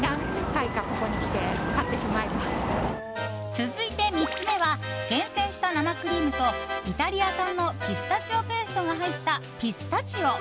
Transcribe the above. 続いて３つ目は厳選した生クリームとイタリア産のピスタチオペーストが入ったピスタチオ。